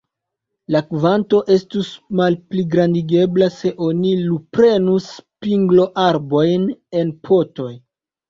La kvanto estus malpligrandigebla, se oni luprenus pingloarbojn en potoj.